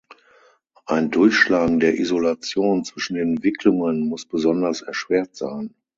Ein Durchschlagen der Isolation zwischen den Wicklungen muss besonders erschwert sein.